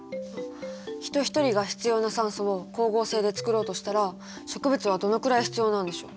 ヒト一人が必要な酸素を光合成で作ろうとしたら植物はどのくらい必要なんでしょう？